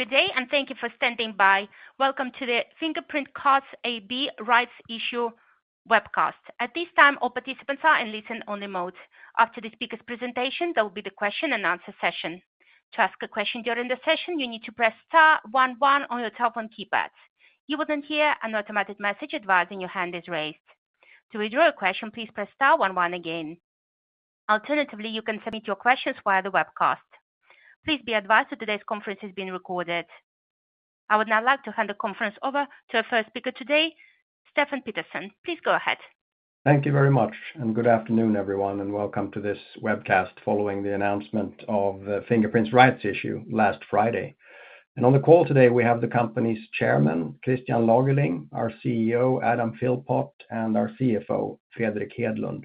Good day, and thank you for standing by. Welcome to the Fingerprint Cards AB Rights Issue Webcast. At this time, all participants are in listen-only mode. After the speaker's presentation, there will be the Q&A session. To ask a question during the session, you need to press star, one, one on your telephone keypad. If you would hear an automated message advising your hand is raised. To withdraw a question, please press star, one, one again. Alternatively, you can submit your questions via the webcast. Please be advised that today's conference is being recorded. I would now like to hand the conference over to our first speaker today, Stefan Pettersson. Please go ahead. Thank you very much, and good afternoon, everyone, and welcome to this webcast following the announcement of the Fingerprints rights issue last Friday. On the call today, we have the company's chairman, Christian Lagerling, our CEO, Adam Philpott, and our CFO, Fredrik Hedlund.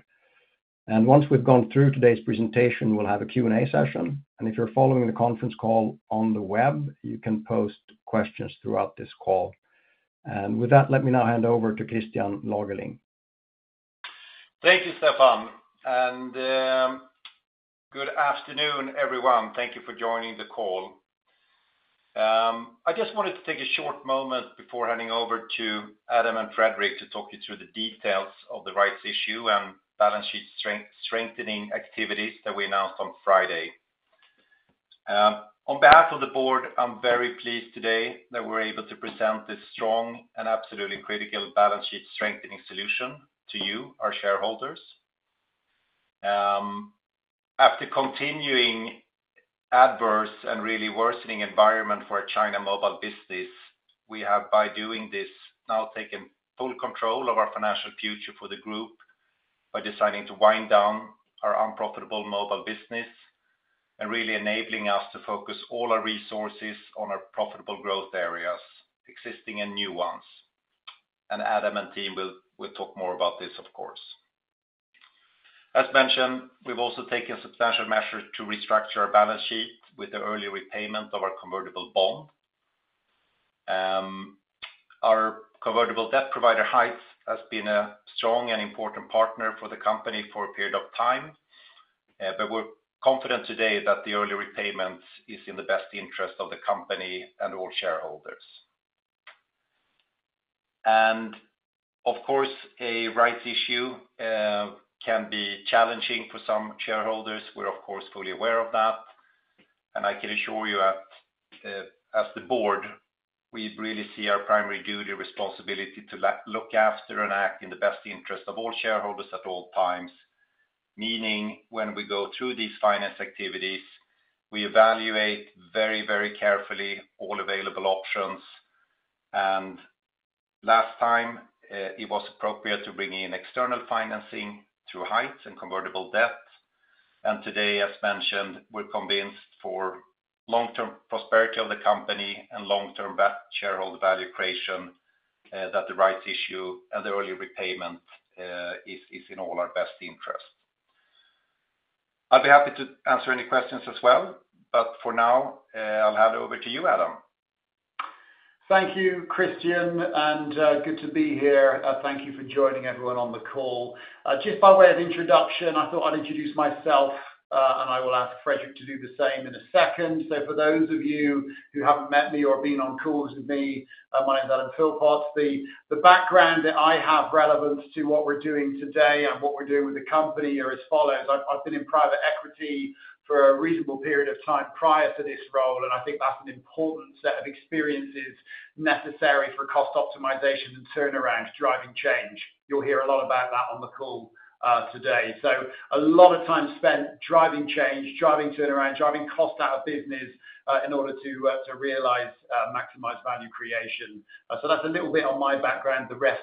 Once we've gone through today's presentation, we'll have a Q&A session. If you're following the conference call on the web, you can post questions throughout this call. With that, let me now hand over to Christian Lagerling. Thank you, Stefan. And, good afternoon, everyone. Thank you for joining the call. I just wanted to take a short moment before handing over to Adam and Fredrik to talk you through the details of the rights issue and balance sheet strengthening activities that we announced on Friday. On behalf of the board, I'm very pleased today that we're able to present this strong and absolutely critical balance sheet strengthening solution to you, our shareholders. After continuing adverse and really worsening environment for China mobile business, we have, by doing this, now taken full control of our financial future for the group by deciding to wind down our unprofitable mobile business and really enabling us to focus all our resources on our profitable growth areas, existing and new ones. And Adam and team will talk more about this, of course. As mentioned, we've also taken substantial measures to restructure our balance sheet with the early repayment of our convertible bond. Our convertible debt provider, Heights, has been a strong and important partner for the company for a period of time. But we're confident today that the early repayment is in the best interest of the company and all shareholders. And, of course, a rights issue can be challenging for some shareholders. We're, of course, fully aware of that. And I can assure you that, as the board, we really see our primary duty responsibility to look after and act in the best interest of all shareholders at all times. Meaning, when we go through these finance activities, we evaluate very, very carefully all available options. And last time, it was appropriate to bring in external financing through Heights and convertible debt. Today, as mentioned, we're convinced for long-term prosperity of the company and long-term best shareholder value creation, that the rights issue and the early repayment, is in all our best interest. I'll be happy to answer any questions as well. But for now, I'll hand it over to you, Adam. Thank you, Christian. Good to be here. Thank you for joining everyone on the call. Just by way of introduction, I thought I'd introduce myself, and I will ask Fredrik to do the same in a second. So for those of you who haven't met me or been on calls with me, my name's Adam Philpott. The, the background that I have relevant to what we're doing today and what we're doing with the company are as follows. I've, I've been in private equity for a reasonable period of time prior to this role, and I think that's an important set of experiences necessary for cost optimization and turnaround driving change. You'll hear a lot about that on the call, today. So a lot of time spent driving change, driving turnaround, driving cost out of business, in order to, to realize, maximize value creation. That's a little bit on my background. The rest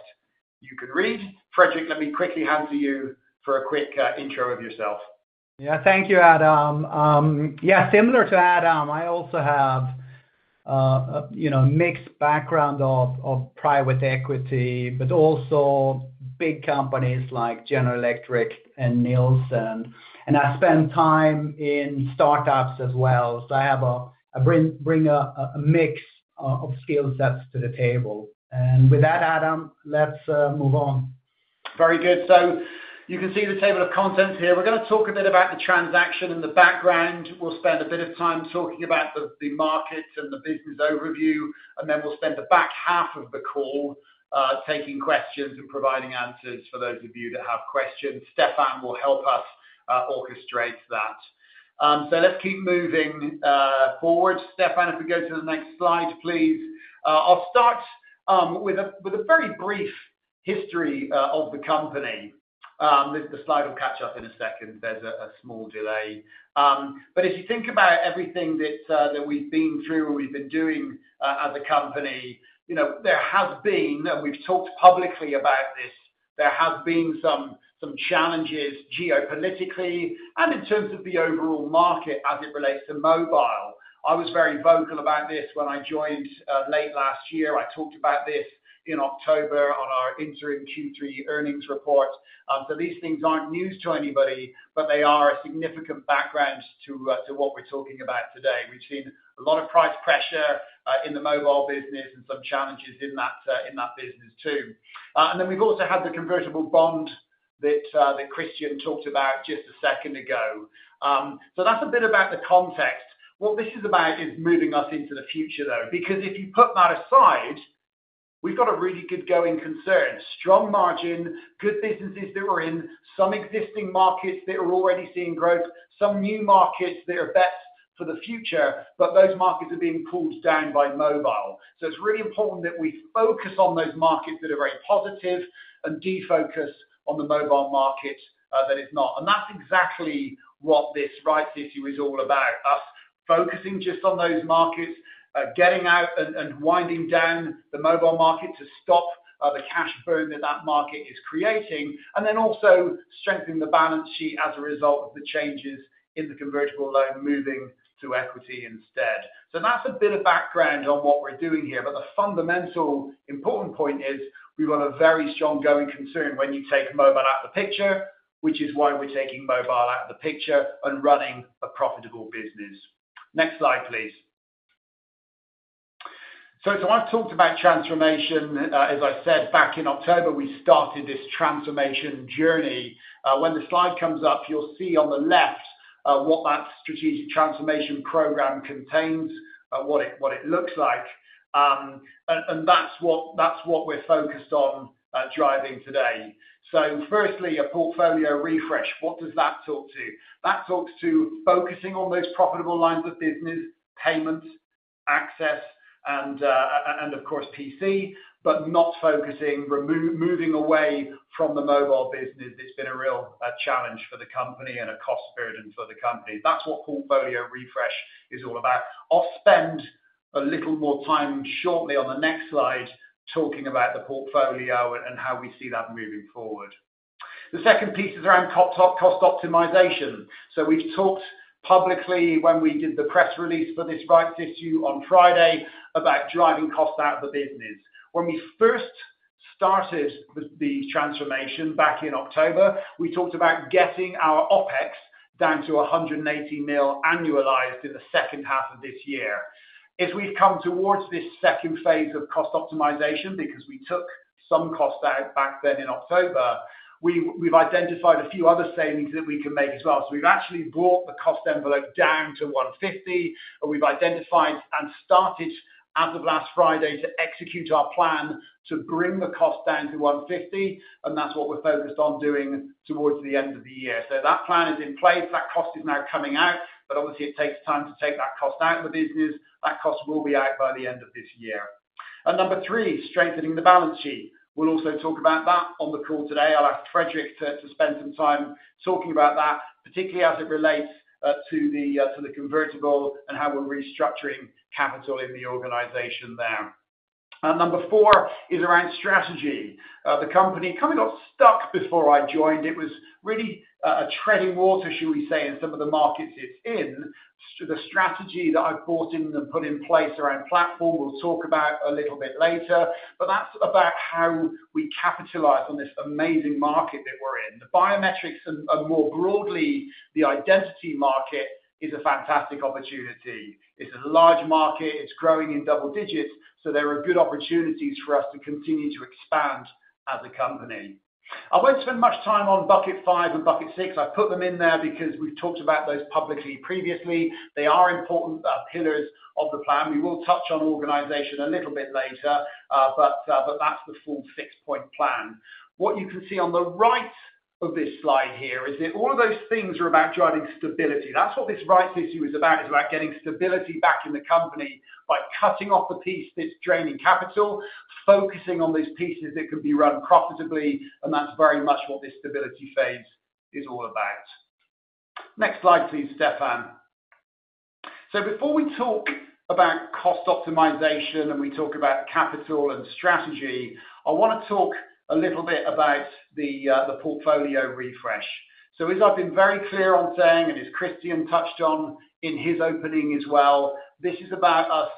you can read. Fredrik, let me quickly hand to you for a quick intro of yourself. Yeah, thank you, Adam. Yeah, similar to Adam, I also have, you know, a mixed background of private equity, but also big companies like General Electric and Nielsen. And I spend time in startups as well. So I bring a mix of skill sets to the table. And with that, Adam, let's move on. Very good. So you can see the table of contents here. We're gonna talk a bit about the transaction and the background. We'll spend a bit of time talking about the market and the business overview, and then we'll spend the back half of the call, taking questions and providing answers for those of you who have questions. Stefan will help us orchestrate that. So let's keep moving forward. Stefan, if we go to the next slide, please. I'll start with a very brief history of the company. The slide will catch up in a second. There's a small delay. But if you think about everything that we've been through and we've been doing as a company, you know, there has been and we've talked publicly about this. There have been some challenges geopolitically and in terms of the overall market as it relates to mobile. I was very vocal about this when I joined, late last year. I talked about this in October on our interim Q3 earnings report. So these things aren't news to anybody, but they are a significant background to what we're talking about today. We've seen a lot of price pressure in the mobile business and some challenges in that business too. And then we've also had the convertible bond that Christian talked about just a second ago. So that's a bit about the context. What this is about is moving us into the future, though, because if you put that aside, we've got a really good-going concern: strong margin, good businesses that we're in, some existing markets that are already seeing growth, some new markets that are bets for the future, but those markets are being pulled down by mobile. So it's really important that we focus on those markets that are very positive and defocus on the mobile market, that it's not. And that's exactly what this rights issue is all about: us focusing just on those markets, getting out and, and winding down the mobile market to stop the cash burn that that market is creating, and then also strengthening the balance sheet as a result of the changes in the convertible loan moving to equity instead. So that's a bit of background on what we're doing here. But the fundamental important point is we've got a very strong-going concern when you take mobile out of the picture, which is why we're taking mobile out of the picture and running a profitable business. Next slide, please. So I've talked about transformation. As I said, back in October, we started this transformation journey. When the slide comes up, you'll see on the left what that strategic transformation program contains, what it looks like. And that's what we're focused on driving today. So firstly, a portfolio refresh. What does that talk to? That talks to focusing on those profitable lines of business: payment, access, and, of course, PC, but not focusing, removing, moving away from the mobile business. It's been a real challenge for the company and a cost burden for the company. That's what portfolio refresh is all about. I'll spend a little more time shortly on the next slide talking about the portfolio and how we see that moving forward. The second piece is around cost optimization. So we've talked publicly when we did the press release for this rights issue on Friday about driving cost out of the business. When we first started the transformation back in October, we talked about getting our OPEX down to 180 million annualized in the second half of this year. As we've come towards this second phase of cost optimization because we took some cost out back then in October, we've identified a few other savings that we can make as well. So we've actually brought the cost envelope down to 150 million, and we've identified and started as of last Friday to execute our plan to bring the cost down to 150 million. That's what we're focused on doing towards the end of the year. That plan is in place. That cost is now coming out. But obviously, it takes time to take that cost out of the business. That cost will be out by the end of this year. Number three, strengthening the balance sheet. We'll also talk about that on the call today. I'll ask Fredrik to spend some time talking about that, particularly as it relates to the convertible and how we're restructuring capital in the organization there. Number four is around strategy. The company kind of got stuck before I joined. It was really treading water, should we say, in some of the markets it's in. So the strategy that I've bought in and put in place around platform we'll talk about a little bit later. But that's about how we capitalize on this amazing market that we're in. The biometrics and more broadly, the identity market is a fantastic opportunity. It's a large market. It's growing in double digits. So there are good opportunities for us to continue to expand as a company. I won't spend much time on bucket five and bucket six. I've put them in there because we've talked about those publicly previously. They are important pillars of the plan. We will touch on organization a little bit later, but that's the full six-point plan. What you can see on the right of this slide here is that all of those things are about driving stability. That's what this rights issue is about. It's about getting stability back in the company by cutting off the piece that's draining capital, focusing on those pieces that can be run profitably. That's very much what this stability phase is all about. Next slide, please, Stefan. Before we talk about cost optimization and we talk about capital and strategy, I wanna talk a little bit about the portfolio refresh. As I've been very clear on saying, and as Christian touched on in his opening as well, this is about us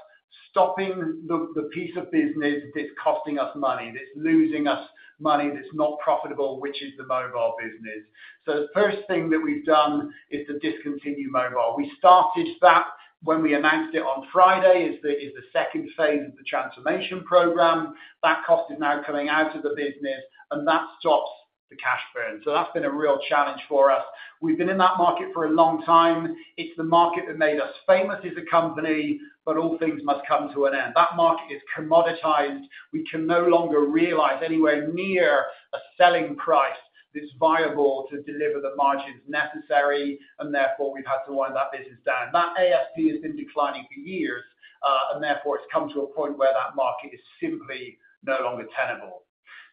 stopping the piece of business that's costing us money, that's losing us money, that's not profitable, which is the mobile business. The first thing that we've done is to discontinue mobile. We started that when we announced it on Friday as the second phase of the transformation program. That cost is now coming out of the business, and that stops the cash burn. That's been a real challenge for us. We've been in that market for a long time. It's the market that made us famous as a company, but all things must come to an end. That market is commoditized. We can no longer realize anywhere near a selling price that's viable to deliver the margins necessary. And therefore, we've had to wind that business down. That ASP has been declining for years, and therefore, it's come to a point where that market is simply no longer tenable.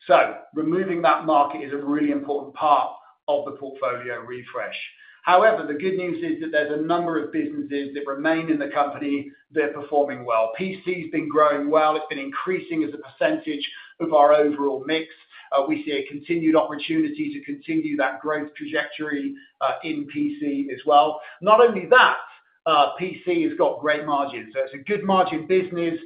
So removing that market is a really important part of the portfolio refresh. However, the good news is that there's a number of businesses that remain in the company that are performing well. PC's been growing well. It's been increasing as a percentage of our overall mix. We see a continued opportunity to continue that growth trajectory, in PC as well. Not only that, PC has got great margins. So it's a good margin business.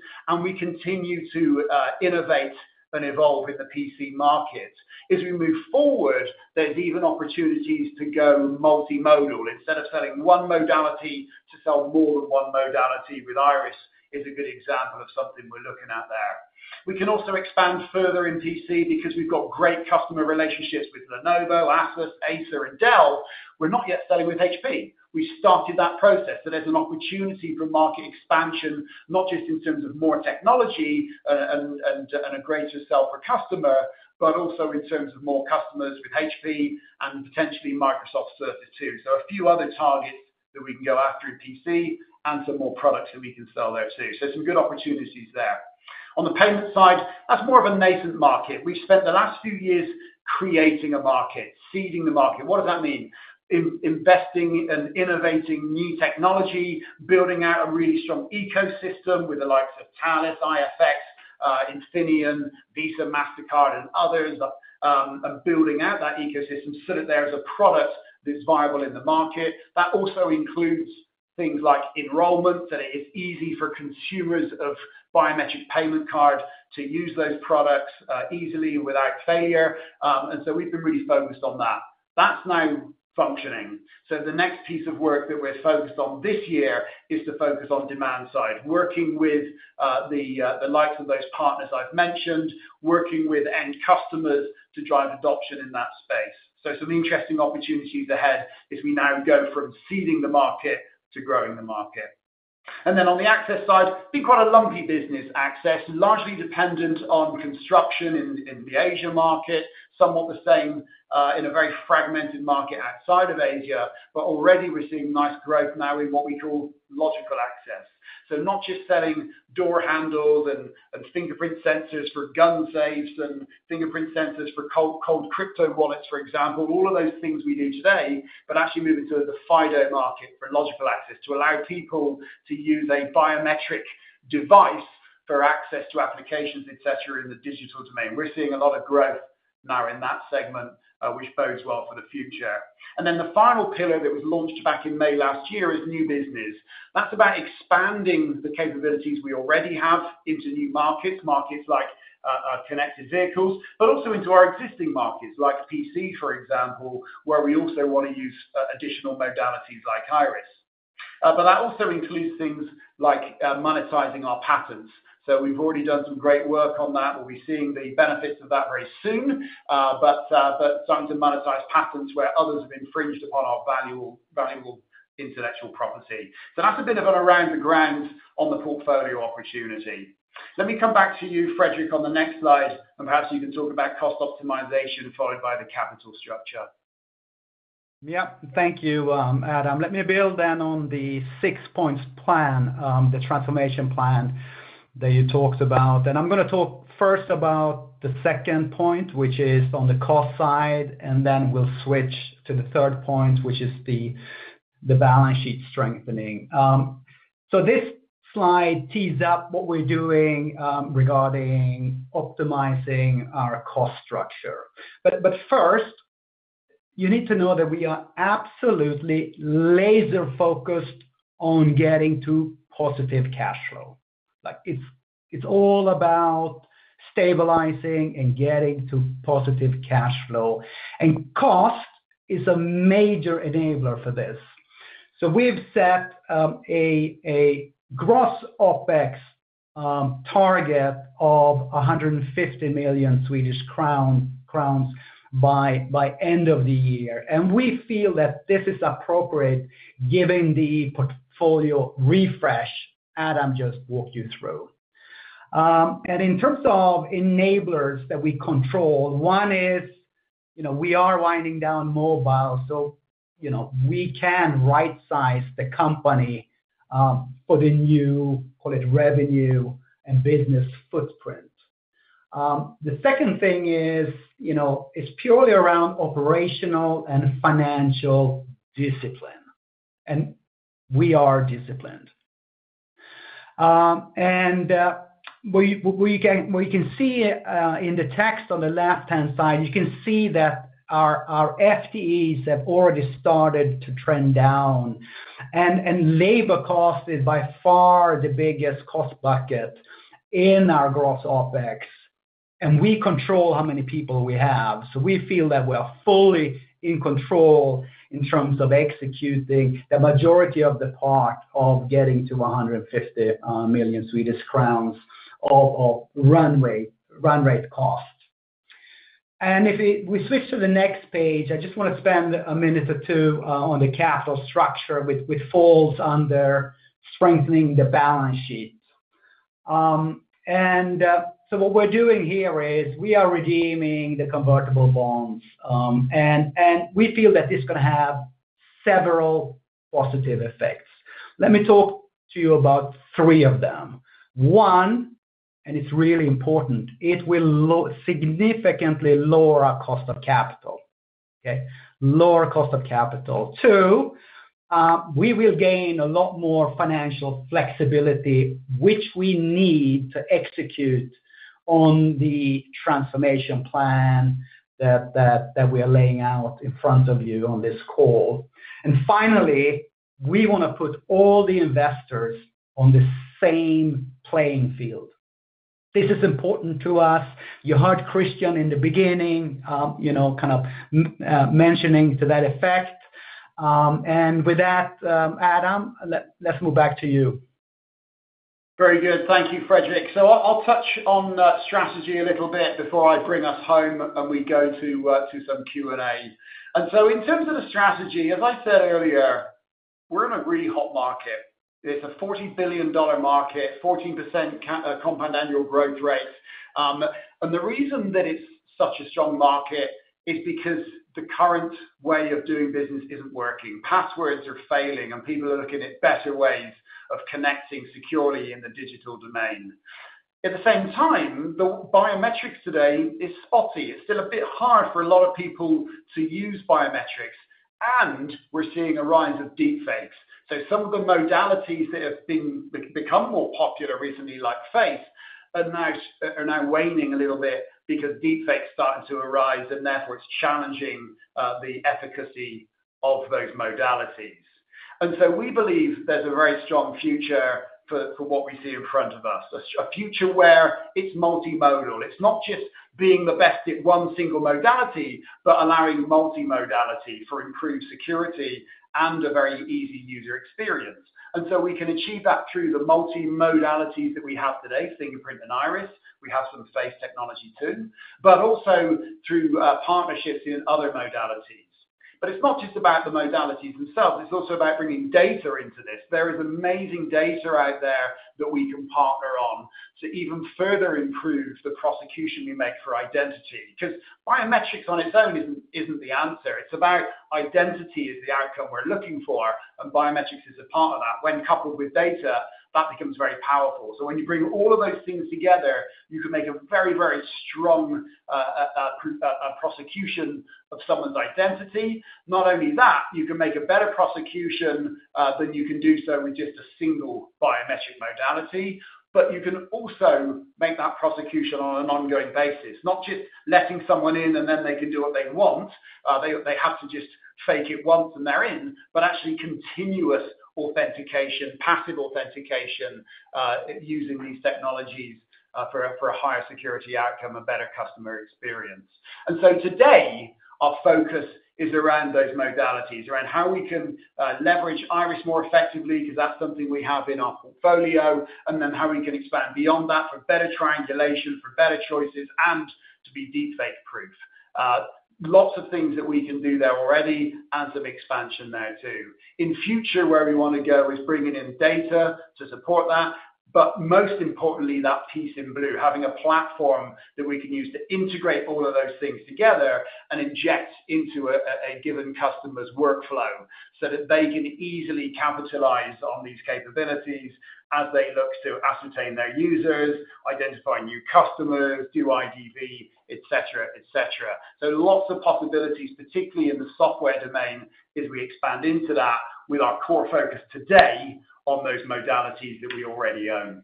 We continue to innovate and evolve in the PC market. As we move forward, there's even opportunities to go multi-modal. Instead of selling one modality to sell more than one modality with iris is a good example of something we're looking at there. We can also expand further in PC because we've got great customer relationships with Lenovo, Asus, Acer, and Dell. We're not yet selling with HP. We started that process. So there's an opportunity for market expansion, not just in terms of more technology, and a greater sale for customer, but also in terms of more customers with HP and potentially Microsoft Surface too. So a few other targets that we can go after in PC and some more products that we can sell there too. So some good opportunities there. On the payment side, that's more of a nascent market. We've spent the last few years creating a market, seeding the market. What does that mean? Investing and innovating new technology, building out a really strong ecosystem with the likes of Thales, IFX, Infineon, Visa, Mastercard, and others, and building out that ecosystem so that there is a product that's viable in the market. That also includes things like enrollment, that it is easy for consumers of biometric payment card to use those products, easily without failure. So we've been really focused on that. That's now functioning. So the next piece of work that we're focused on this year is to focus on demand side, working with the likes of those partners I've mentioned, working with end customers to drive adoption in that space. So some interesting opportunities ahead as we now go from seeding the market to growing the market. And then on the access side, it's been quite a lumpy business, access largely dependent on construction in the Asia market, somewhat the same in a very fragmented market outside of Asia. But already, we're seeing nice growth now in what we call logical access. So not just selling door handles and fingerprint sensors for gun safes and fingerprint sensors for cold crypto wallets, for example, all of those things we do today, but actually moving to the FIDO market for logical access to allow people to use a biometric device for access to applications, etc., in the digital domain. We're seeing a lot of growth now in that segment, which bodes well for the future. And then the final pillar that was launched back in May last year is new business. That's about expanding the capabilities we already have into new markets, markets like connected vehicles, but also into our existing markets like PC, for example, where we also wanna use additional modalities like iris. But that also includes things like monetizing our patents. So we've already done some great work on that. We'll be seeing the benefits of that very soon, but starting to monetize patents where others have infringed upon our valuable intellectual property. So that's a bit of a rundown on the portfolio opportunity. Let me come back to you, Fredrik, on the next slide. And perhaps you can talk about cost optimization followed by the capital structure. Yep. Thank you, Adam. Let me build then on the six-point plan, the transformation plan that you talked about. And I'm gonna talk first about the second point, which is on the cost side. And then we'll switch to the third point, which is the balance sheet strengthening. So this slide tees up what we're doing, regarding optimizing our cost structure. But first, you need to know that we are absolutely laser-focused on getting to positive cash flow. Like, it's all about stabilizing and getting to positive cash flow. And cost is a major enabler for this. So we've set a gross OPEX target of 150 million Swedish crown by end of the year. And we feel that this is appropriate given the portfolio refresh Adam just walked you through. In terms of enablers that we control, one is, you know, we are winding down mobile. So, you know, we can right-size the company, for the new, call it, revenue and business footprint. The second thing is, you know, purely around operational and financial discipline. And we are disciplined. And we can see, in the text on the left-hand side, you can see that our FTEs have already started to trend down. And labor cost is by far the biggest cost bucket in our gross OPEX. And we control how many people we have. So we feel that we are fully in control in terms of executing the majority of the part of getting to 150 million Swedish crowns of runway run rate cost. If we switch to the next page, I just wanna spend a minute or two on the capital structure, which falls under strengthening the balance sheet. So what we're doing here is we are redeeming the convertible bonds. And we feel that this is gonna have several positive effects. Let me talk to you about three of them. One, and it's really important, it will significantly lower our cost of capital, okay? Lower cost of capital. Two, we will gain a lot more financial flexibility, which we need to execute on the transformation plan that we are laying out in front of you on this call. And finally, we wanna put all the investors on the same playing field. This is important to us. You heard Christian in the beginning, you know, kind of mentioning to that effect. With that, Adam, let's move back to you. Very good. Thank you, Fredrik. So I'll touch on strategy a little bit before I bring us home and we go to some Q&A. In terms of the strategy, as I said earlier, we're in a really hot market. It's a $40 billion market, 14% CAGR. The reason that it's such a strong market is because the current way of doing business isn't working. Passwords are failing. People are looking at better ways of connecting securely in the digital domain. At the same time, the biometrics today is spotty. It's still a bit hard for a lot of people to use biometrics. We're seeing a rise of deepfakes. So some of the modalities that have become more popular recently, like face, are now waning a little bit because deepfakes started to arise. And therefore, it's challenging, the efficacy of those modalities. And so we believe there's a very strong future for, for what we see in front of us, as a future where it's multi-modal. It's not just being the best at one single modality, but allowing multi-modality for improved security and a very easy user experience. And so we can achieve that through the multi-modalities that we have today, fingerprint and iris. We have some face technology too, but also through partnerships in other modalities. But it's not just about the modalities themselves. It's also about bringing data into this. There is amazing data out there that we can partner on to even further improve the precision we make for identity 'cause biometrics on its own isn't, isn't the answer. It's about identity as the outcome we're looking for. And biometrics is a part of that. When coupled with data, that becomes very powerful. So when you bring all of those things together, you can make a very, very strong pro prosecution of someone's identity. Not only that, you can make a better prosecution than you can do so with just a single biometric modality. But you can also make that prosecution on an ongoing basis, not just letting someone in and then they can do what they want. They have to just fake it once and they're in, but actually continuous authentication, passive authentication, using these technologies, for a higher security outcome, a better customer experience. And so today, our focus is around those modalities, around how we can leverage iris more effectively 'cause that's something we have in our portfolio, and then how we can expand beyond that for better triangulation, for better choices, and to be deepfake-proof. Lots of things that we can do there already and some expansion there too. In future, where we wanna go is bringing in data to support that. But most importantly, that piece in blue, having a platform that we can use to integrate all of those things together and inject into a given customer's workflow so that they can easily capitalize on these capabilities as they look to ascertain their users, identify new customers, do IDV, etc., etc. So lots of possibilities, particularly in the software domain, as we expand into that with our core focus today on those modalities that we already own.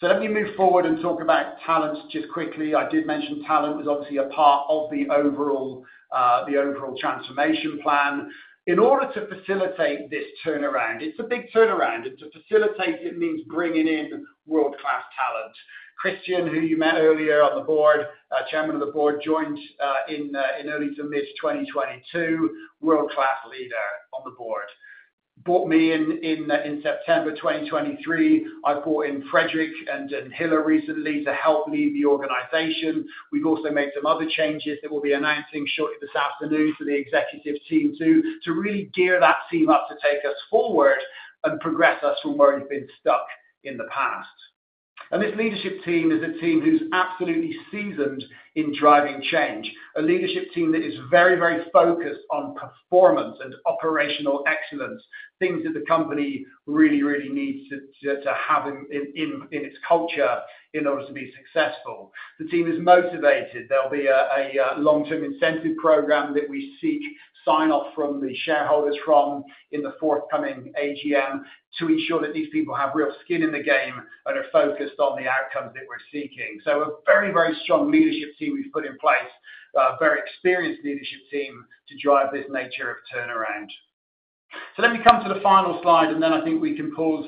So let me move forward and talk about Thales just quickly. I did mention Thales was obviously a part of the overall, the overall transformation plan. In order to facilitate this turnaround, it's a big turnaround. To facilitate it means bringing in World-Class Talent. Christian, who you met earlier on the board, Chairman of the Board, joined in early to mid-2022, World-Class Leader on the board. Brought me in in September 2023. I've brought in Fredrik Hedlund recently to help lead the organization. We've also made some other changes that we'll be announcing shortly this afternoon to the executive team too, to really gear that team up to take us forward and progress us from where we've been stuck in the past. This leadership team is a team who's absolutely seasoned in driving change, a leadership team that is very, very focused on performance and operational excellence, things that the company really, really needs to have in its culture in order to be successful. The team is motivated. There'll be a long-term incentive program that we seek sign-off from the shareholders from in the forthcoming AGM to ensure that these people have real skin in the game and are focused on the outcomes that we're seeking. So a very, very strong leadership team we've put in place, very experienced leadership team to drive this nature of turnaround. So let me come to the final slide. And then I think we can pause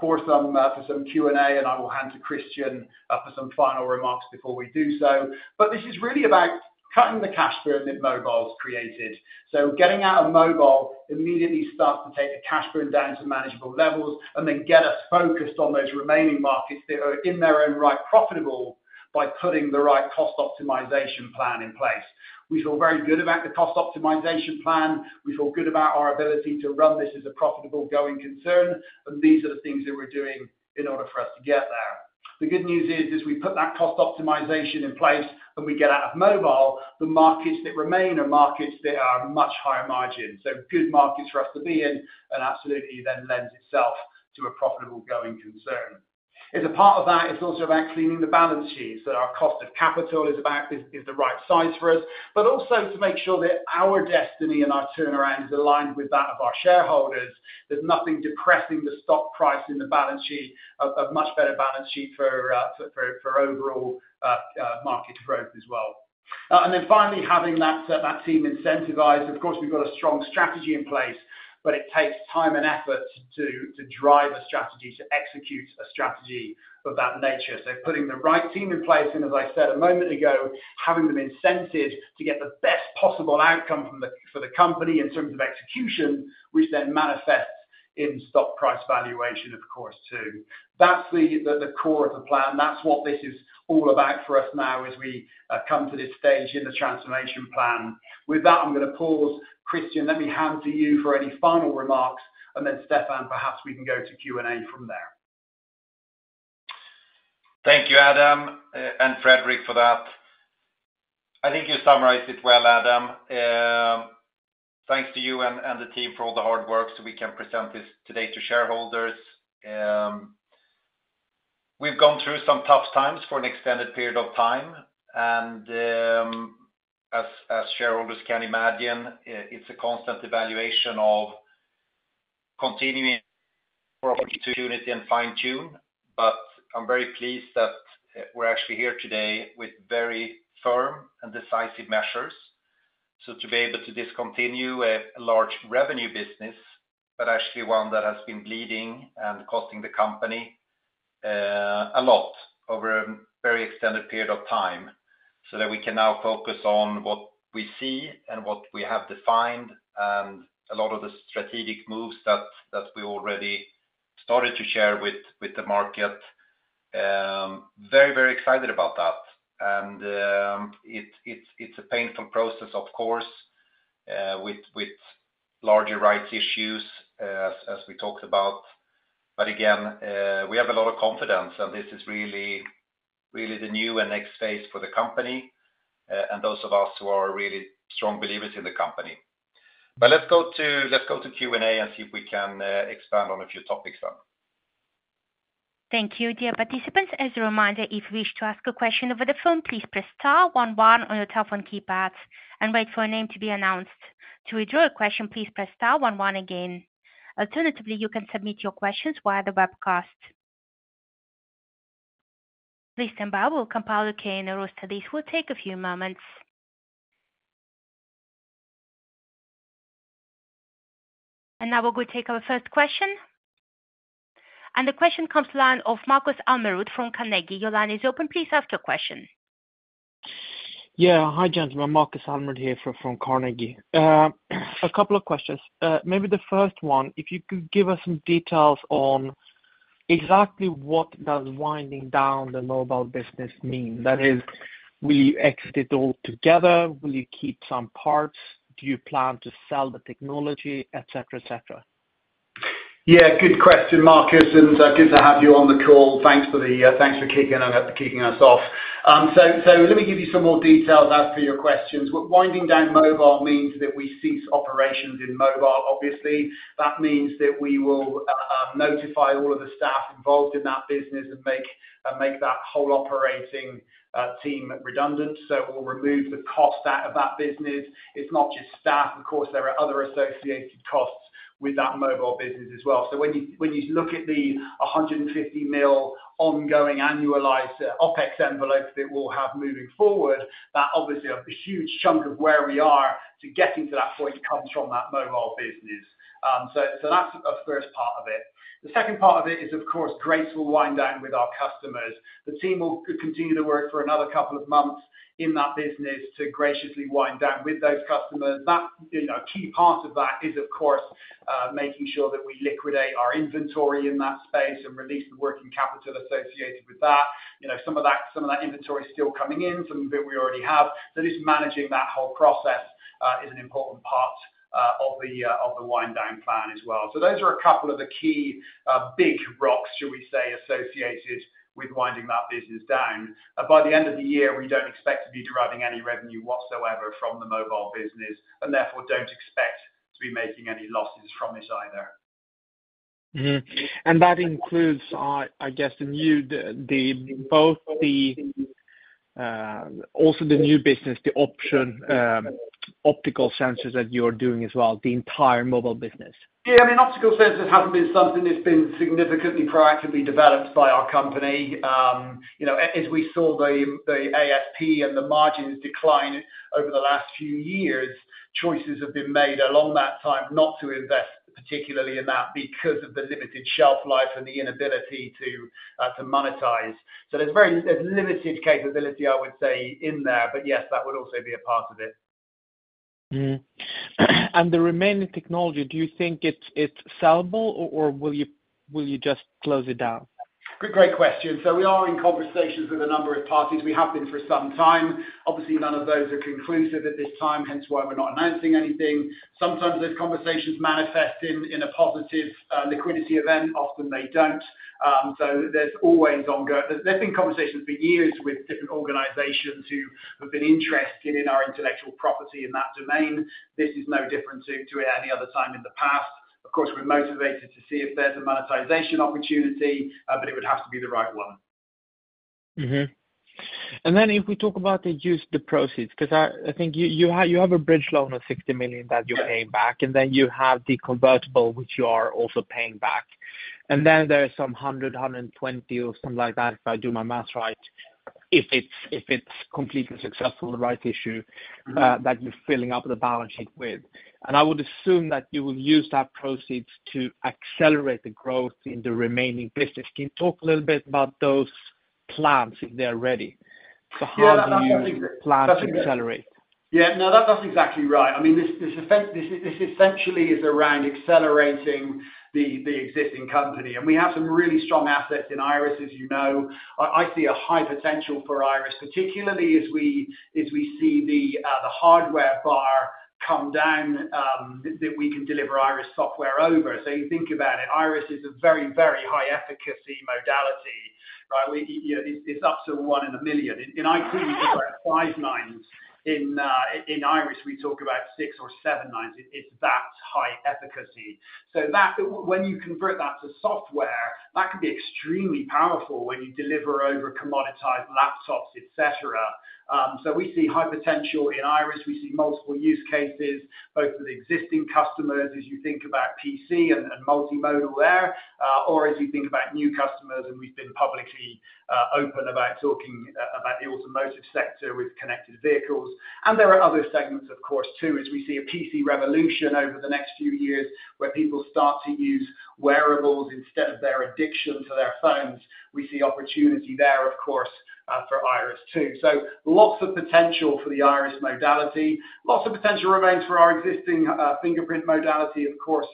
for some Q&A. And I will hand to Christian for some final remarks before we do so. But this is really about cutting the cash burn that mobile's created. So getting out of mobile immediately starts to take the cash burn down to manageable levels and then get us focused on those remaining markets that are in their own right profitable by putting the right cost optimization plan in place. We feel very good about the cost optimization plan. We feel good about our ability to run this as a profitable going concern. And these are the things that we're doing in order for us to get there. The good news is, as we put that cost optimization in place and we get out of mobile, the markets that remain are markets that are much higher margin. So good markets for us to be in. And absolutely, then lends itself to a profitable going concern. As a part of that, it's also about cleaning the balance sheet. So our cost of capital is about is, is the right size for us, but also to make sure that our destiny and our turnaround is aligned with that of our shareholders. There's nothing depressing the stock price in the balance sheet of much better balance sheet for overall market growth as well. And then finally, having that team incentivized. Of course, we've got a strong strategy in place, but it takes time and effort to drive a strategy, to execute a strategy of that nature. So putting the right team in place and, as I said a moment ago, having them incented to get the best possible outcome for the company in terms of execution, which then manifests in stock price valuation, of course, too. That's the core of the plan. That's what this is all about for us now as we come to this stage in the transformation plan. With that, I'm gonna pause. Christian, let me hand to you for any final remarks. Stefan, perhaps we can go to Q&A from there. Thank you, Adam, and Fredrik for that. I think you summarized it well, Adam. Thanks to you and, and the team for all the hard work so we can present this today to shareholders. We've gone through some tough times for an extended period of time. As, as shareholders can imagine, it's a constant evaluation of continuing opportunity and fine-tune. But I'm very pleased that, we're actually here today with very firm and decisive measures so to be able to discontinue a, a large revenue business, but actually one that has been bleeding and costing the company, a lot over a very extended period of time so that we can now focus on what we see and what we have defined and a lot of the strategic moves that, that we already started to share with, with the market. Very, very excited about that. It's a painful process, of course, with larger rights issues, as we talked about. But again, we have a lot of confidence. And this is really the new and next phase for the company, and those of us who are really strong believers in the company. But let's go to Q&A and see if we can expand on a few topics then. Thank you, dear participants. As a reminder, if you wish to ask a question over the phone, please press star, one, one on your telephone keypad and wait for a name to be announced. To withdraw a question, please press star, one, one again. Alternatively, you can submit your questions via the webcast. Please stand by. We'll compile the Q and A roster. This will take a few moments. Now we're going to take our first question. The question comes from the line of Markus Almerud from Carnegie. Your line is open. Please ask your question. Yeah. Hi, gentlemen. Markus Almerud here from Carnegie. A couple of questions. Maybe the first one, if you could give us some details on exactly what does winding down the mobile business mean? That is, will you exit it altogether? Will you keep some parts? Do you plan to sell the technology, etc., etc.? Yeah. Good question, Markus. Good to have you on the call. Thanks for the, thanks for kicking us off. So let me give you some more details as for your questions. What winding down mobile means that we cease operations in mobile. Obviously, that means that we will notify all of the staff involved in that business and make that whole operating team redundant. So we'll remove the cost out of that business. It's not just staff. Of course, there are other associated costs with that mobile business as well. So when you look at the 150 million ongoing annualized OPEX envelope that we'll have moving forward, that obviously a huge chunk of where we are to get into that point comes from that mobile business. So that's a first part of it. The second part of it is, of course, graceful wind down with our customers. The team will continue the work for another couple of months in that business to graciously wind down with those customers. That, you know, key part of that is, of course, making sure that we liquidate our inventory in that space and release the working capital associated with that. You know, some of that inventory's still coming in, some of it we already have. So just managing that whole process is an important part of the wind down plan as well. So those are a couple of the key, big rocks, shall we say, associated with winding that business down. By the end of the year, we don't expect to be deriving any revenue whatsoever from the mobile business and therefore don't expect to be making any losses from it either. Mm-hmm. And that includes, I guess, the new business, the optical sensors that you are doing as well, the entire mobile business? Yeah. I mean, optical sensors hasn't been something that's been significantly proactively developed by our company. You know, as we saw the ASP and the margins decline over the last few years, choices have been made along that time not to invest particularly in that because of the limited shelf life and the inability to monetize. So there's very limited capability, I would say, in there. But yes, that would also be a part of it. Mm-hmm. And the remaining technology, do you think it's sellable? Or will you just close it down? Great, great question. We are in conversations with a number of parties. We have been for some time. Obviously, none of those are conclusive at this time, hence why we're not announcing anything. Sometimes those conversations manifest in a positive liquidity event. Often, they don't. So there's always been conversations for years with different organizations who have been interested in our intellectual property in that domain. This is no different to any other time in the past. Of course, we're motivated to see if there's a monetization opportunity, but it would have to be the right one. Mm-hmm. And then if we talk about the use of the proceeds because I think you have a bridge loan of 60 million that you're paying back. And then you have the convertible, which you are also paying back. And then there's some 100-120 or something like that, if I do my math right, if it's completely successful, the rights issue, that you're filling up the balance sheet with. And I would assume that you will use those proceeds to accelerate the growth in the remaining business. Can you talk a little bit about those plans if they're ready? So how do you plan to accelerate? Yeah. No, that's exactly right. I mean, this essentially is around accelerating the existing company. And we have some really strong assets in iris, as you know. I see a high potential for iris, particularly as we see the hardware bar come down, that we can deliver iris software over. So you think about it, iris is a very, very high-efficacy modality, right? You know, it's up to one in a million. In IT, we talk about five nines. In iris, we talk about six or seven nines. It's that high efficacy. So that when you convert that to software, that can be extremely powerful when you deliver over commoditized laptops, etc., so we see high potential in iris. We see multiple use cases, both with existing customers, as you think about PC and multi-modal there, or as you think about new customers. And we've been publicly open about talking about the automotive sector with connected vehicles. And there are other segments, of course, too, as we see a PC revolution over the next few years where people start to use wearables instead of their addiction to their phones. We see opportunity there, of course, for iris too. So lots of potential for the iris modality. Lots of potential remains for our existing fingerprint modality, of course,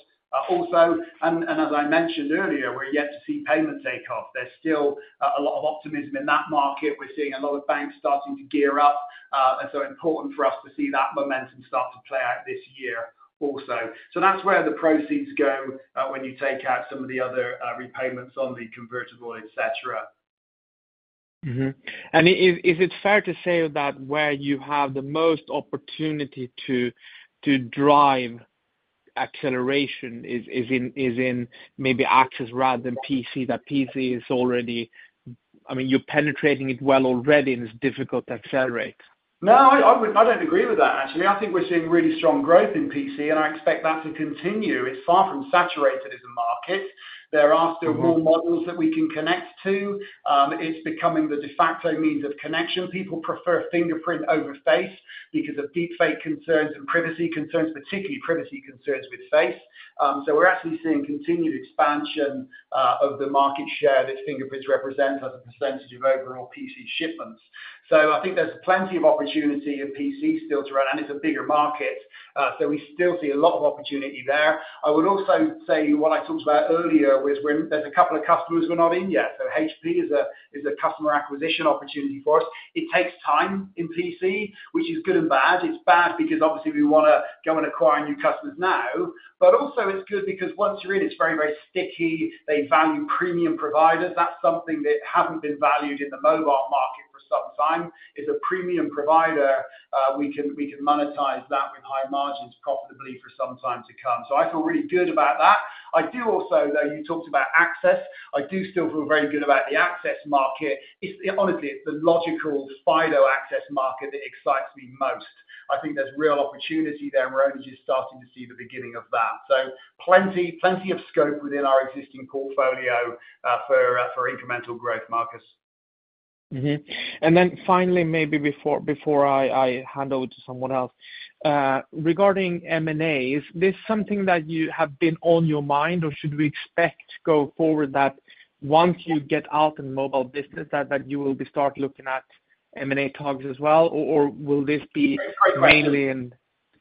also. And as I mentioned earlier, we're yet to see payment takeoff. There's still a lot of optimism in that market. We're seeing a lot of banks starting to gear up. And so important for us to see that momentum start to play out this year also. That's where the proceeds go when you take out some of the other repayments on the convertible, etc. Mm-hmm. And is it fair to say that where you have the most opportunity to drive acceleration is in maybe access rather than PC? That PC is already—I mean, you're penetrating it well already, and it's difficult to accelerate. No, I don't agree with that, actually. I think we're seeing really strong growth in PC. I expect that to continue. It's far from saturated as a market. There are still more models that we can connect to. It's becoming the de facto means of connection. People prefer fingerprint over face because of deepfake concerns and privacy concerns, particularly privacy concerns with face. We're actually seeing continued expansion of the market share that fingerprints represent as a percentage of overall PC shipments. So I think there's plenty of opportunity in PC still to run. It's a bigger market. So we still see a lot of opportunity there. I would also say what I talked about earlier was when there's a couple of customers we're not in yet. So HP is a customer acquisition opportunity for us. It takes time in PC, which is good and bad. It's bad because, obviously, we wanna go and acquire new customers now. But also, it's good because once you're in, it's very, very sticky. They value premium providers. That's something that hasn't been valued in the mobile market for some time, is a premium provider. We can we can monetize that with high margins profitably for some time to come. So I feel really good about that. I do also, though, you talked about access. I do still feel very good about the access market. It's, honestly, it's the logical FIDO access market that excites me most. I think there's real opportunity there. And we're only just starting to see the beginning of that. So plenty, plenty of scope within our existing portfolio, for, for incremental growth, Markus. Mm-hmm. And then finally, maybe before I hand over to someone else, regarding M&A, is this something that you have been on your mind, or should we expect going forward that once you get out in mobile business, that you will be start looking at M&A talks as well? Or will this be mainly in?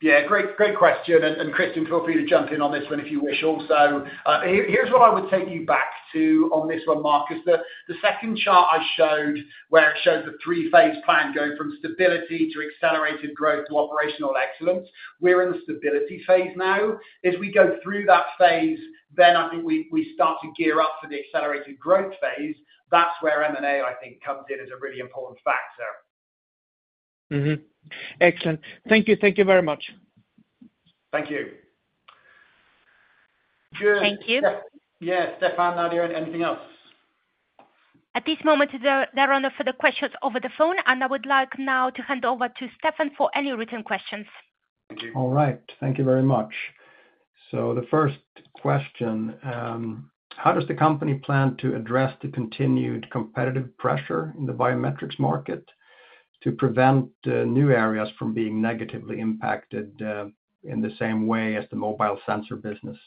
Yeah. Great, great question. And, and, Christian, feel free to jump in on this one if you wish also. Here's what I would take you back to on this one, Markus. The second chart I showed where it shows the three-phase plan going from stability to accelerated growth to operational excellence, we're in the stability phase now. As we go through that phase, then I think we start to gear up for the accelerated growth phase. That's where M&A, I think, comes in as a really important factor. Mm-hmm. Excellent. Thank you. Thank you very much. Thank you. Good. Thank you. Yeah. Yeah, Stefan, Nadia, anything else? At this moment, there are no further questions over the phone. I would like now to hand over to Stefan for any written questions. Thank you. All right. Thank you very much. So the first question, how does the company plan to address the continued competitive pressure in the biometrics market to prevent new areas from being negatively impacted in the same way as the mobile sensor business?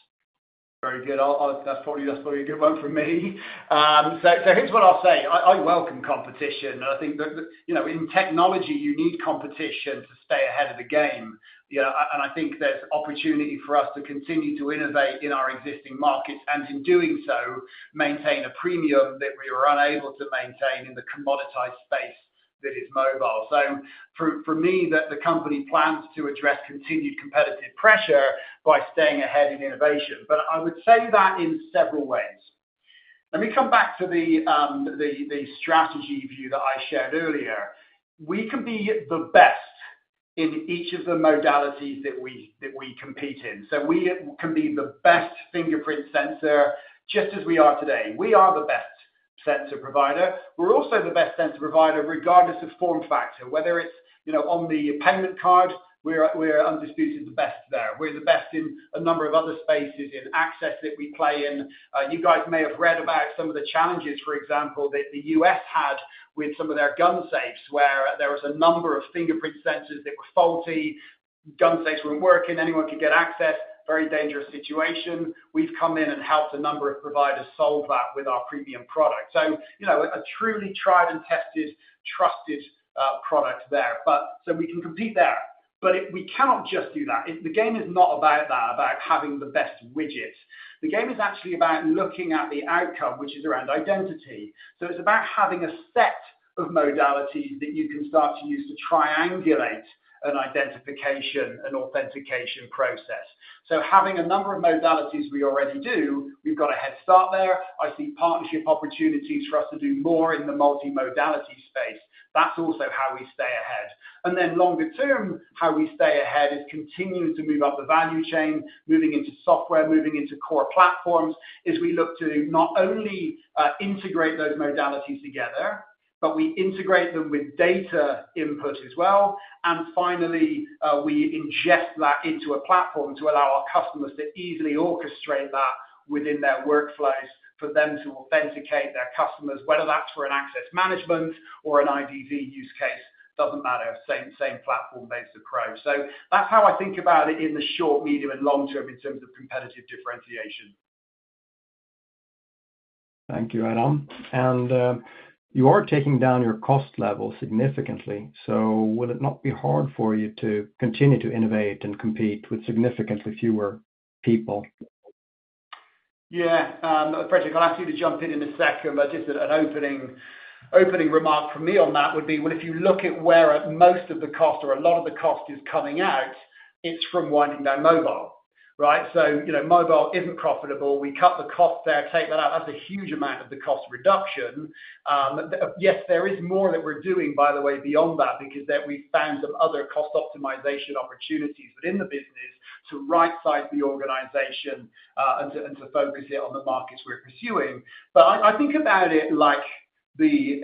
Very good. That's probably a good one for me. So, here's what I'll say. I welcome competition. And I think that, you know, in technology, you need competition to stay ahead of the game. You know, and I think there's opportunity for us to continue to innovate in our existing markets. And in doing so, maintain a premium that we were unable to maintain in the commoditized space that is mobile. So for me, that the company plans to address continued competitive pressure by staying ahead in innovation. But I would say that in several ways. Let me come back to the strategy view that I shared earlier. We can be the best in each of the modalities that we compete in. So we can be the best fingerprint sensor just as we are today. We are the best sensor provider. We're also the best sensor provider regardless of form factor, whether it's, you know, on the payment card. We're undisputed the best there. We're the best in a number of other spaces in access that we play in. You guys may have read about some of the challenges, for example, that the U.S. had with some of their gun safes where there was a number of fingerprint sensors that were faulty. Gun safes weren't working. Anyone could get access. Very dangerous situation. We've come in and helped a number of providers solve that with our premium product. So, you know, a truly tried and tested, trusted product there. But we can compete there. But we cannot just do that. The game is not about that, about having the best widget. The game is actually about looking at the outcome, which is around identity. So it's about having a set of modalities that you can start to use to triangulate an identification, an authentication process. So having a number of modalities we already do, we've got a head start there. I see partnership opportunities for us to do more in the multi-modality space. That's also how we stay ahead. And then longer term, how we stay ahead is continuing to move up the value chain, moving into software, moving into core platforms, as we look to not only, integrate those modalities together, but we integrate them with data input as well. Finally, we ingest that into a platform to allow our customers to easily orchestrate that within their workflows for them to authenticate their customers, whether that's for an access management or an IDV use case, doesn't matter, same, same platform-based approach. So that's how I think about it in the short, medium, and long term in terms of competitive differentiation. Thank you, Adam. You are taking down your cost level significantly. Will it not be hard for you to continue to innovate and compete with significantly fewer people? Yeah. Fredrik, I'll ask you to jump in in a second. But just an opening remark from me on that would be, well, if you look at where most of the cost or a lot of the cost is coming out, it's from winding down mobile, right? So, you know, mobile isn't profitable. We cut the cost there, take that out. That's a huge amount of the cost reduction. Yes, there is more that we're doing, by the way, beyond that because we've found some other cost optimization opportunities within the business to right-size the organization, and to focus it on the markets we're pursuing. But I think about it like the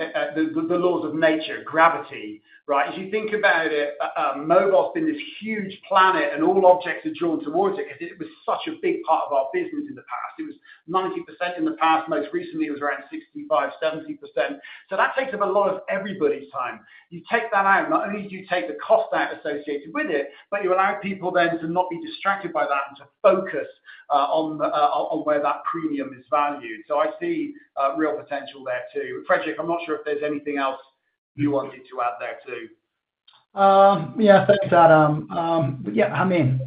laws of nature, gravity, right? As you think about it, mobile has been this huge planet, and all objects are drawn towards it 'cause it was such a big part of our business in the past. It was 90% in the past. Most recently, it was around 65%-70%. So that takes up a lot of everybody's time. You take that out. Not only do you take the cost out associated with it, but you allow people then to not be distracted by that and to focus on where that premium is valued. So I see real potential there too. Fredrik, I'm not sure if there's anything else you wanted to add there too. Yeah, thanks, Adam. Yeah, I mean,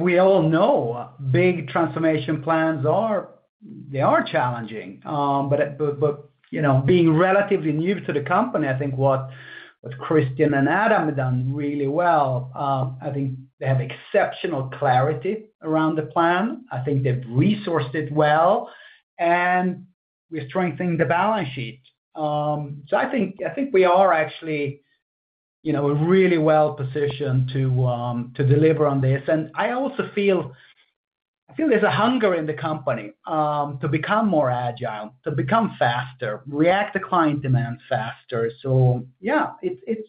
we all know big transformation plans are challenging. But, you know, being relatively new to the company, I think what Christian and Adam have done really well. I think they have exceptional clarity around the plan. I think they've resourced it well. And we're strengthening the balance sheet. So I think we are actually, you know, really well positioned to deliver on this. And I also feel there's a hunger in the company to become more agile, to become faster, react to client demand faster. So yeah, it's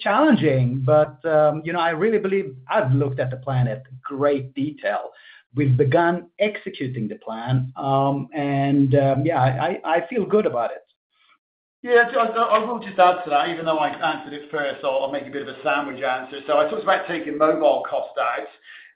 challenging. But, you know, I really believe I've looked at the plan at great detail. We've begun executing the plan. And, yeah, I feel good about it. Yeah. So I will just answer that, even though I answered it first. I'll make a bit of a sandwich answer. So I talked about taking mobile cost out.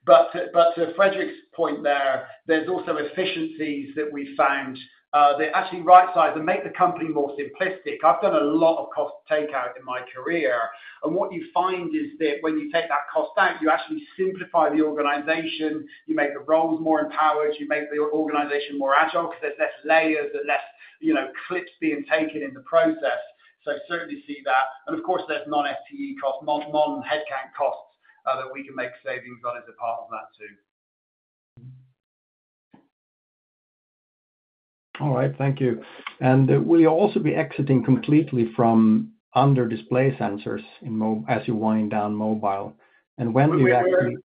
But to Fredrik's point there, there's also efficiencies that we found, that actually right-size and make the company more simplistic. I've done a lot of cost takeout in my career. And what you find is that when you take that cost out, you actually simplify the organization. You make the roles more empowered. You make the organization more agile 'cause there's less layers and less, you know, clips being taken in the process. So certainly see that. And of course, there's non-FTE cost, mon headcount costs, that we can make savings on as a part of that too. Mm-hmm. All right. Thank you. And, will you also be exiting completely from under-display sensors in mobile as you wind down mobile? And when do you actually?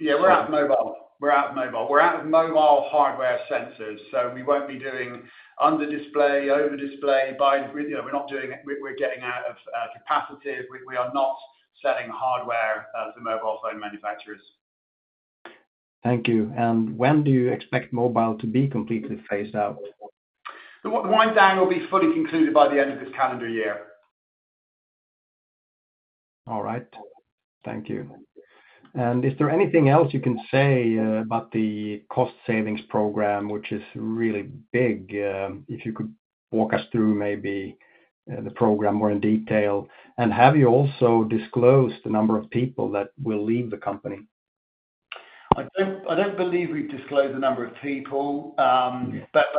Yeah, we're out of mobile. We're out of mobile. We're out of mobile hardware sensors. So we won't be doing under-display, over-display, in-display, you know, we're not doing it. We're getting out of capacitive. We are not selling hardware to mobile phone manufacturers. Thank you. When do you expect mobile to be completely phased out? The wind-down will be fully concluded by the end of this calendar year. All right. Thank you. And is there anything else you can say, about the cost savings program, which is really big, if you could walk us through maybe, the program more in detail? And have you also disclosed the number of people that will leave the company? I don't believe we've disclosed the number of people. But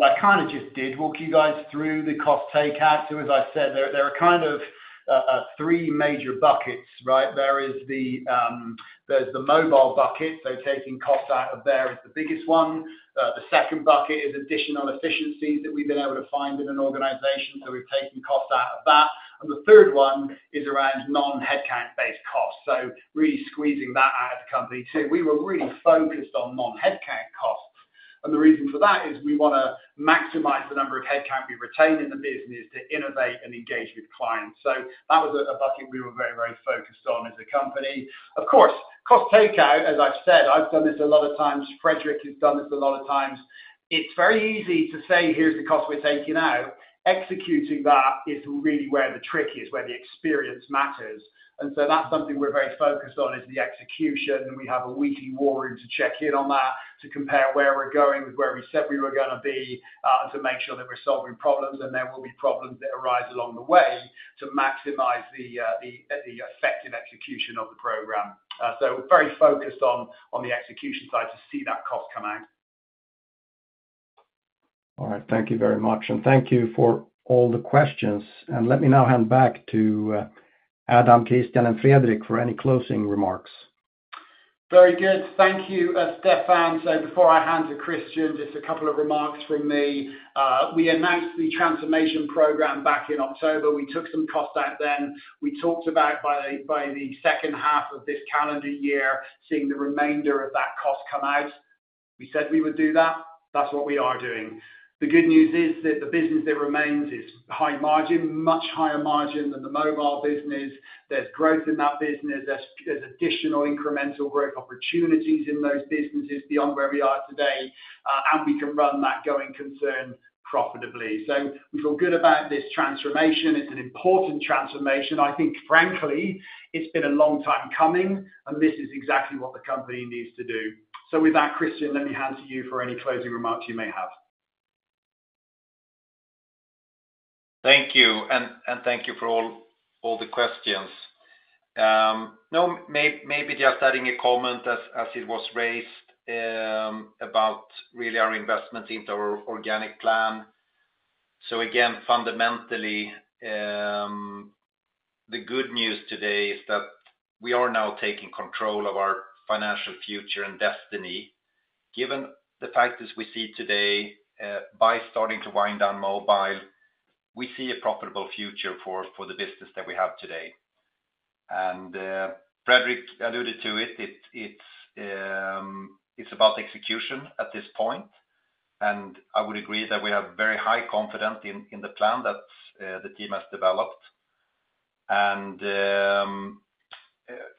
I kinda just did walk you guys through the cost takeout. So as I said, there are kind of three major buckets, right? There is the mobile bucket. So taking cost out of there is the biggest one. The second bucket is additional efficiencies that we've been able to find in an organization. So we've taken cost out of that. And the third one is around non-headcount-based costs, so really squeezing that out of the company too. We were really focused on non-headcount costs. And the reason for that is we wanna maximize the number of headcount we retain in the business to innovate and engage with clients. So that was a bucket we were very, very focused on as a company. Of course, cost takeout, as I've said, I've done this a lot of times. Fredrik has done this a lot of times. It's very easy to say, "Here's the cost we're taking out." Executing that is really where the trick is, where the experience matters. And so that's something we're very focused on, is the execution. And we have a weekly war room to check in on that to compare where we're going with where we said we were gonna be, and to make sure that we're solving problems. And there will be problems that arise along the way to maximize the effective execution of the program. So very focused on the execution side to see that cost come out. All right. Thank you very much. Thank you for all the questions. Let me now hand back to Adam, Christian, and Fredrik for any closing remarks. Very good. Thank you, Stefan. So before I hand to Christian, just a couple of remarks from me. We announced the transformation program back in October. We took some cost out then. We talked about by the second half of this calendar year, seeing the remainder of that cost come out. We said we would do that. That's what we are doing. The good news is that the business that remains is high margin, much higher margin than the mobile business. There's growth in that business. There's additional incremental growth opportunities in those businesses beyond where we are today. And we can run that going concern profitably. So we feel good about this transformation. It's an important transformation. I think, frankly, it's been a long time coming. And this is exactly what the company needs to do. With that, Christian, let me hand to you for any closing remarks you may have. Thank you. And thank you for all the questions. No, maybe just adding a comment as it was raised, about really our investments into our organic plan. So again, fundamentally, the good news today is that we are now taking control of our financial future and destiny. Given the fact as we see today, by starting to wind down mobile, we see a profitable future for the business that we have today. And, Fredrik alluded to it. It's about execution at this point. And I would agree that we are very high confident in the plan that the team has developed. And,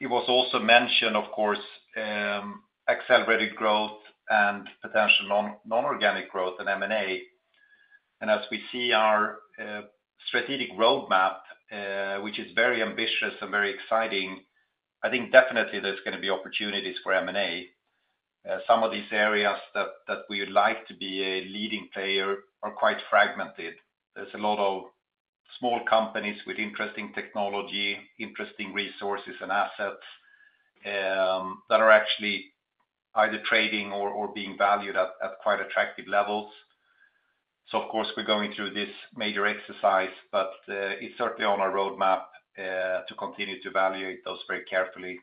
it was also mentioned, of course, accelerated growth and potential non-organic growth and M&A. And as we see our strategic roadmap, which is very ambitious and very exciting, I think definitely there's gonna be opportunities for M&A. Some of these areas that we would like to be a leading player are quite fragmented. There's a lot of small companies with interesting technology, interesting resources, and assets that are actually either trading or being valued at quite attractive levels. So of course, we're going through this major exercise. But it's certainly on our roadmap to continue to evaluate those very carefully.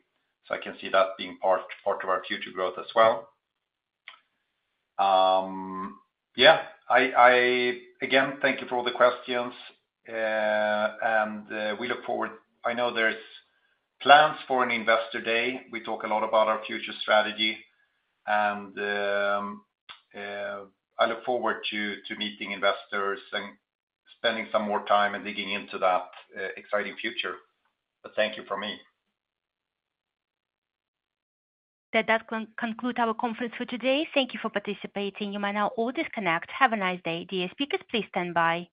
So I can see that being part of our future growth as well. Yeah, I again thank you for all the questions. And we look forward. I know there's plans for an investor day. We talk a lot about our future strategy. And I look forward to meeting investors and spending some more time and digging into that exciting future. But thank you from me. That does conclude our conference for today. Thank you for participating. You may now all disconnect. Have a nice day. Dear speakers, please stand by.